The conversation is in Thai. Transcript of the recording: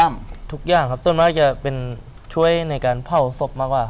อ้ำทุกอย่างครับส่วนมากจะช่วยในการเผ่าศพมาก